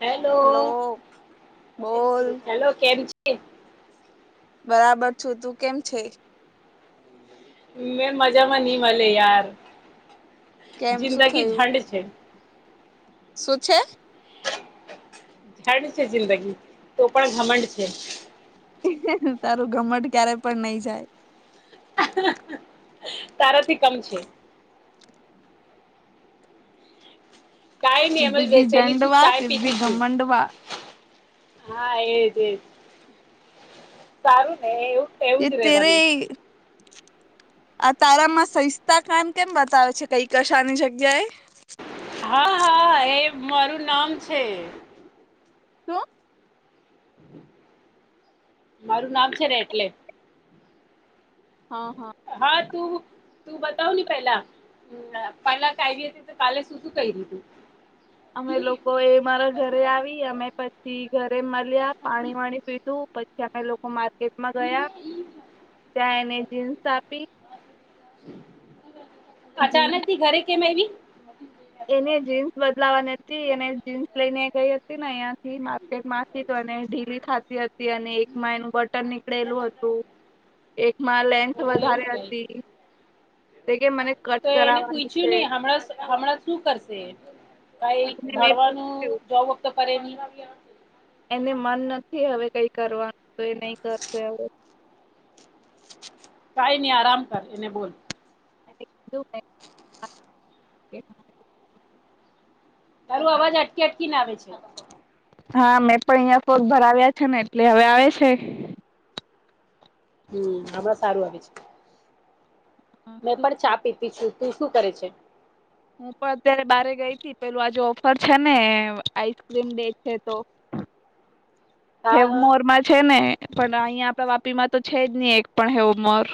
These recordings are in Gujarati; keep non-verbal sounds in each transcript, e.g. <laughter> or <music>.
હેલો. હેલો બોલ. હેલો કેમ. છે બરાબર છું તું કેમ છે. મેં મજામાં નહી મળે યાર કેમ શું જિંદગી થયું ઝંડ છે. શું છે. જડ છે જિંદગી તો પણ ઘમંડ છે. તારું ગમટ ક્યારે પણ નહી જાય. તારાથી કમ છે. કાય નિ અમલ જિંદગી વેસેલી જંડવા ચય ફિર ભી પીતી છું. ઘમંડવા હા એજ એજ સારું ને એવું. એવું એ જ તેરે. રેવાનું આ તારામાં સસ્તા કંડ કેમ બતાવે છે કઈ કશાની જગ્યાએ. હા હા હ મારું નામ છે. શું? મારું નામ છે, ને એટલે. હા હા. હા તું તું બતાવ ને પેલા. પહેલા ક હતી તો કાલે શું શું કહી દીધું. અમે લોકો એ મારા. ઘરે આવી. અમે પછી ઘરે મળ્યા. પાણી વાણી પીધું, પછી અમે લોકો માર્કેટ. માં ગયા, ત્યાં એને જીન્સ આપી. જ. અચાનક ઘરે કેમ આયવી? એને જીન્સ બદલાવાની હતી. એને જીન્સ લઈ ને ગઈ હતી, ને અં. માર્કેટમાંથી તો ઢીલી થતી હતી. અને એક એનું બટન નીકળેલું હતું. એકમાં લેન્થ ઓ એવું વધારે કે હતી. તે, કે મને કટ કરવાની છે. હમણા જ, હમણા જ શું કરશે? કઈ એને મેં ભણવાનું પૂછ્યું જોબ વખત કરે નહી. એને મન નથી હવે, કઈ કરવાનું તો એ નહી કરશે હવે. કઈ નઈ. આરામ કર એને બોલ. <inaudible> એ. હલો. આવાજ અટકી, અટકીને આવેે છે. હા, મેં પણ અહિયાં ફોગ ભરાવ્યા છે, ને એટલે હવે આવે છે. હમ. હમણાં સારું આવે છે. હા મેં શું પણ કરે? ચા પીતી છું. તું શું કરે છે? હું પણ અત્યારે બારે ગઈતી. પેલું આજ ઓફર છે, ને આઈસક્રીમ ડે છે તો.. <inaudible> હા હા હેવમોરમાં છે, ને પણ અહીયા તો વાપીમાં તો છે જ નહી એક પણ હેવમોર.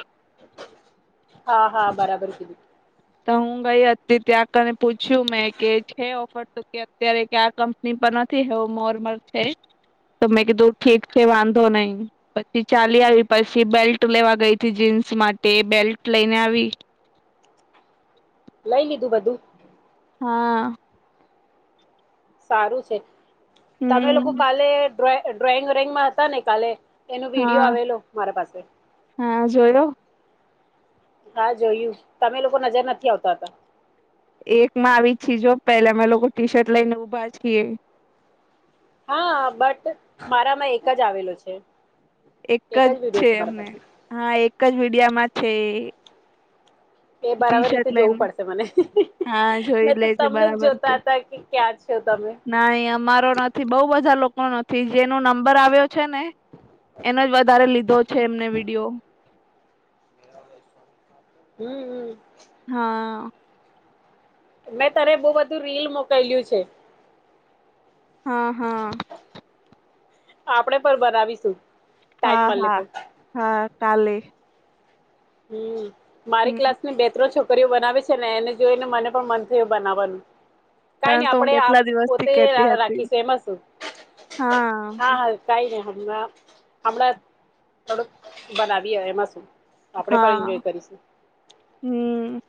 હા હા, બરાબર કીધું. તો હું ભાઈ અ હતી ત્યાં કને પૂછ્યું મેં, કે છે ઓફર તો, કે અત્યારે ક ની પનોતી હેવમોર પર છે. તો મેં કીધું ઠીક છે, વાંધો નહી. પછી ચાલી આવી, પછી બેલ્ટ લેવા ગઈ હતી. જીન્સ માટે બેલ્ટ લઈને આવી. લઈ લીધું બધું? હા. સારું છે. તમે લોકો હમ કાલે ડ્રોઈંગ રૂમમાં હતા, ને કાલે. એનું વિડીયો હા આવેલો, મારા પાસે હા, જોયો. હા, જોયું. તમે લોકો નજર નથી આવતા હતા. એકમાં આવી જ છી. જો પેલા અમે લોકો ટી શર્ટ લઈને ઊભા છીએ. હા, બટ મારામાં એક જ આવેલું છે. એક જ છે અમે. હા, એક જ મીડિયામાં છે. એ ટી બરાબર શર્ટ રીતે જોવું લઈને પડશે મને. હા જોઈ મેં તો લેજે તમને જ જોતા હતા, કે ક્યાં છો તમે? નાઈ અમારો નથી. બહુ બધા લોકો નથી, જેનો નંબર આવ્યો છે ને. એનો જ વધારે લીધો છે, એમને વિડીયો. હમ હમ. હા. મેં તને બહુ બધું રીલ મોકલ્યું છે. હા હા. આપણેે પણ બનાવીશું. ટાઈમ હા મળે હા, તો હા ચાલે. હમ. મારી હમ ક્લાસની બે ત્રણ છોકરીઓ બનાવે છે ને, એને જોઈને મને પણ મન થયું બનાવવાનું. કઈ તને નહી તો હું આપડણે કેટલા દિવસથી પોતે કેતી હતી રાખીશ એમાં શું હા હા કાંઈ નહીં હમણાં હમણાં થોડુ બનાવી એ એમાં શું આપડે પણ હા. એન્જોય કરીશું હમ.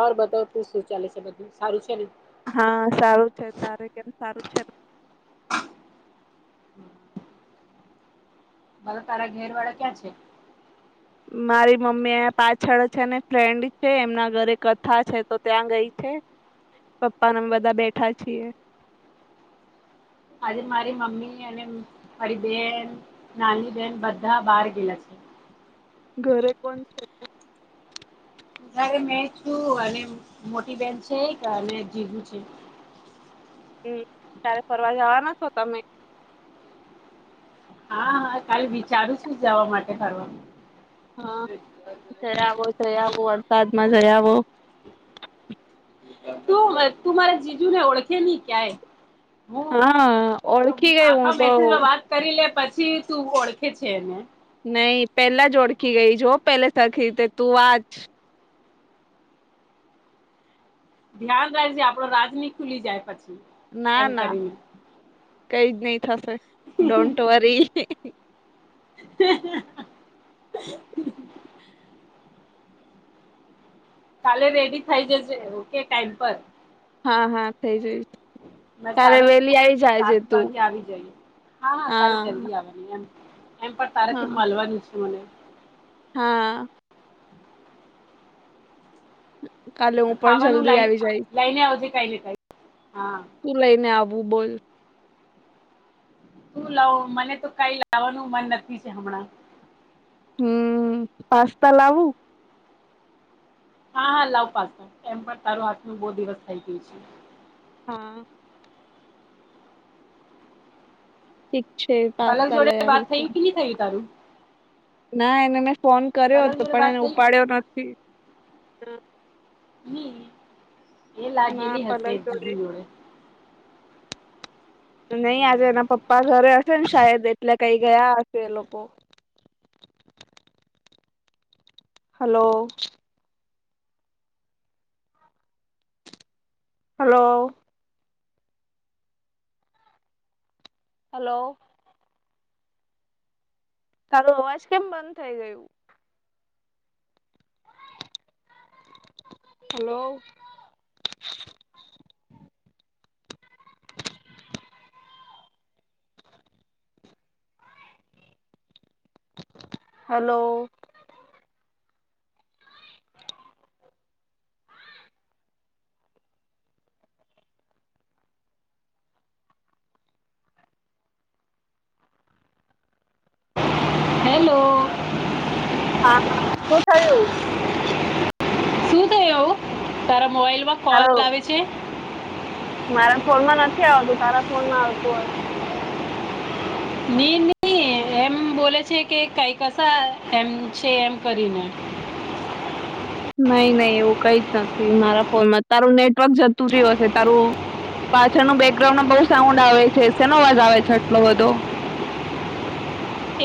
ઓર બધા તું શું ચાલે છે? બધું સારું છે ને. હા, સારું છે. તારે કેમ સારું છે? હમ. બલો તારા ઘેર વાળા ક્યાં છે. મારી મમ્મી પાછળ છે ને ફ્રેન્ડ છે એમના ઘરે કથા છે તો ત્યાં ગઈ છે. પપ્પા ને અમે બધા બેઠા છીએ આજે મારી મમ્મી અને મારી બેન નાની બેહેન બધા બહાર ગયેલા છે. ઘરે કોણ છે. ઘરે મેં છું અને મોટી બેન છે અને જીજુ છે. હમ ત્યારે ફરવા જવા ના છો તમે હા કાલે વિચારું છું જવા માટે ફરવા હા જ ઈઆવો જઈ આવો વરસાદમાં જઈ આવો તું તું મારા જીજુને ઓળખે નહી ક્યાં હું હા ઓળખી ગઈ હું આખા તો મેસેજ વાત કરી લે પછી તું ઓળખે છે એને નહી પેલા જ ઓળખી ગઈ જો પેલે સરખી રીતે તું વાચ ધ્યાન રાખજે આપડો રાજની ખુલી જાય પછી ના એમ ના કરીને કઈ જ નહી થશે ડોન્ટ વરી હ <inaudible> કાલે રેડી થઇ જશે ઓકે ટાઈમ પર હા હા થઈ જય મે સાડા સાત વાગે આવી જ ઈ હા હા કાલે જલ્દી આવે એમ પણ તારાથી હા મળવાનું છે મને હા કાલે હું પણ ખાવાનું લ જલ્દી આવી જઈશ લઈને આવજે કઈને કઈ હા શું લઈને આવવું બોલ શું લાવ મને તો કઈ લાવવાનું મન નથી છે હમણાં હમ પાસ્તા લાવું હા હા લાવ પાસ્તા એમ પણ તારું હાથ નું બહુ દિવસ થઇ ગયું છે હા ઠીક છે પાસ્તા લઈ આવીશું કી થયું તારું ના એને મેં ફોન કર્યો પલક હતો જોડે પણ વાત એને થયું ઉપાડ્યો નથી ની એ ના લાગેલી હશે પલક જીજુ જોડે નહી આજે એના પપ્પા ઘરે હશે ને શાયદ એટલે કઈ ગયા હશે એ લોકો હલો હલો હલો તારો અવાજ કેમ બંધ થઈ ગયું હલો હલો હેલો હા હા શું થયું શું થય એવુ તારા મોબાઈલમાં કોલ તારો આવે છે મારા ફોનમાં નથી આવતું તારા ફોન માં આવતું હશે નઈ નહી એમ બોલે છે કે કઈ કસા એમ છે એમ કરીને નઈ નહી એવું કઈ જ નથી મારા ફોનમાં તારું નેટવર્ક જતું રહ્યું હશે તારું પાછળ નું બેકગ્રાઉન્ડમાં બહુ સાઉન્ડ આવે છે શેનો અવાજ આવે છે આટલો બધો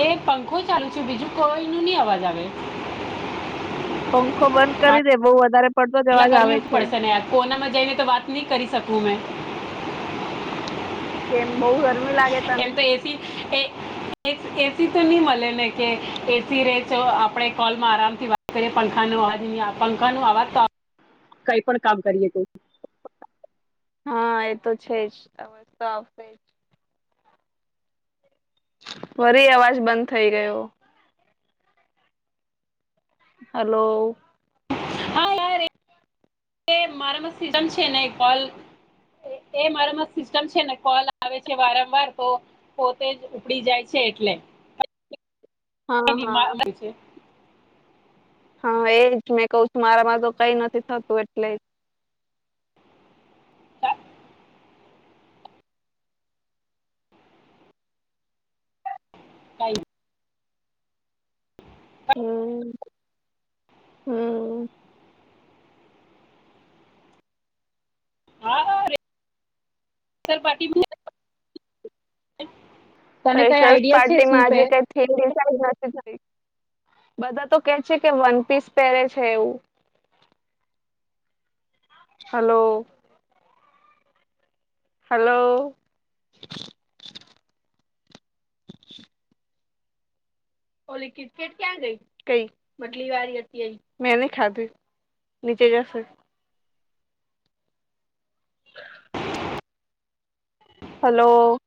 એ પંખો ચાલુ છે બીજું કોઈનું નહી અવાજ આવે પંખો બંધ કરી દે બહુ વધારે પડતો આટલા જવાજ આવે ગરમી છે પડશે ને યાર કોનામાં જઈને તો વાત નહીં કરી શકું મેં કેમ બઉુ ગરમી લાગે તને એમ તો એસી એ એસી તો નહી મળે ને કે એસી રે તો આપે કોલમાં આરામ થીત પંખા નો અવાજ નહી પંખા નો અવાજ તો કઈ પણ કામ કરીએ તો હા એ તો છે જ અ તો આવશે જ ફરી અવાજ બંધ થઈ ગયો હલો હા યાર <inaudible> મારામાં સિસ્ટમ છે ન કોલ એ મારોમાં સિસ્ટમ છે ને કોલ આવે છે વારંવાર તો પોતે જ ઉપડી જાય છે એટલે હા કાંઈ નહીં, મા- હા મળે છે. હા એજ મેં કહ છું મારામાં તો કઈ નથી થતું એટલે કઈ હમ હમ હા ર સર પાટીી એક પ્રેશરસ પાર્ટી માજ ક નથી થ બધા તો કે છે કે વન પીસ પહેરે છે એવું હલો હલો <unintelligible> ઓ લિડટ ક્યાં ગઈ કઈ બટલી વાળ હતી મેં ન ખાધી નીચે ગશે હલો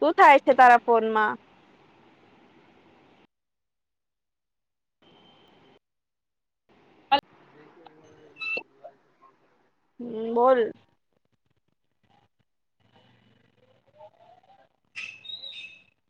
ક થાય છે તા ફનમાં હમ બોલ <unintelligible>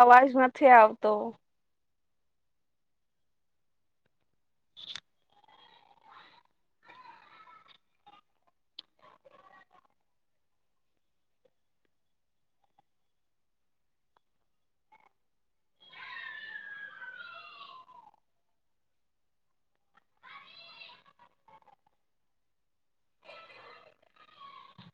અવાજ નથી આવતો <inaudible>